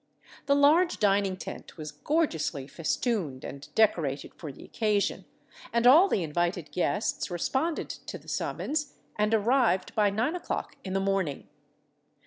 The large dining tent was gorgeously festooned and decorated for the occasion, and all the invited guests responded to the summons and arrived by 9 o'clock in the morning.